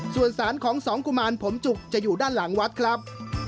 ส่วนสารของสองกุมารผมจุกจะอยู่ด้านหลังวัดครับ